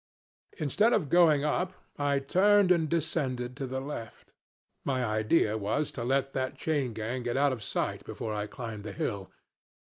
"Instead of going up, I turned and descended to the left. My idea was to let that chain gang get out of sight before I climbed the hill.